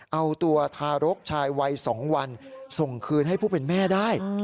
เอาตัวทารกชายวัย๒วันส่งคืนให้ผู้เป็นแม่ได้